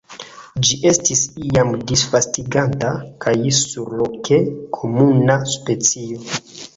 Ĝi estis iam disvastigata kaj surloke komuna specio.